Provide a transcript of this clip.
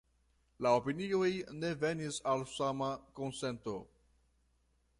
La opinioj ne venis al sama konsento.